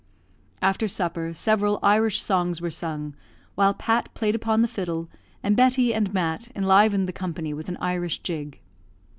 After supper, several Irish songs were sung, while Pat played upon the fiddle, and Betty and Mat enlivened the company with an Irish jig.